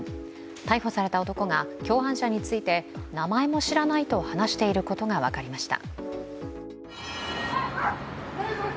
逮捕された男が共犯者について名前も知らないと話していることが分かりました。